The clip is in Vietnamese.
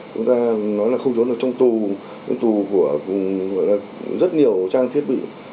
chúng ta nói là không trốn trong tù tù của rất nhiều trang thiết bị